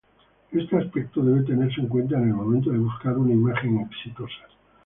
Este aspecto debe tenerse en cuenta en el momento de buscar una imagen exitosa.